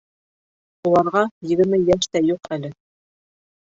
Уларға егерме йәш тә юҡ әле.